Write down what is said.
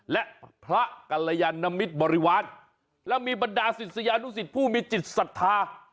และพระกัลยันนมิตรบริวารและมีบรรดาศิษยานุสิตผู้มีจิตศรัทธา